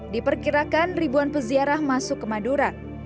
diperkirakan ribuan peziarah masuk ke madura